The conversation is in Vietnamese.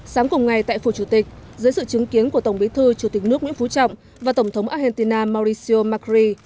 sáng cùng ngày tại phủ chủ tịch dưới sự chứng kiến của tổng bí thư chủ tịch nước nguyễn phú trọng và tổng thống argentina mauricio macri